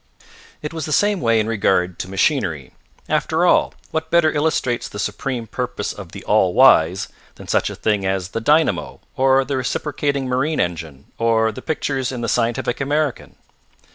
It was the same way in regard to machinery. After all, what better illustrates the supreme purpose of the All Wise than such a thing as the dynamo or the reciprocating marine engine or the pictures in the Scientific American?